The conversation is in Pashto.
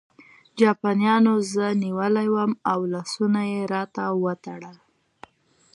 جاپانیانو زه نیولی وم او لاسونه یې راته وتړل